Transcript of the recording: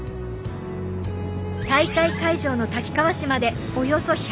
大会会場の滝川市までおよそ１００ｋｍ。